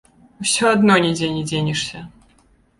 Усё адно нідзе не дзенешся.